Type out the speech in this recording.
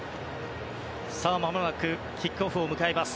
さあ、まもなくキックオフを迎えます。